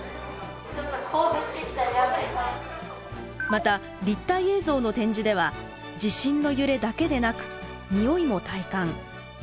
また立体映像の展示では地震の揺れだけでなく匂いも体感。